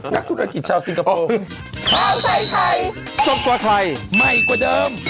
นักธุรกิจชาวสิงคโปร์